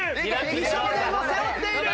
美少年も背負っている！